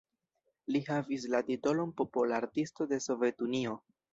Li havis la titolon Popola Artisto de Sovetunio.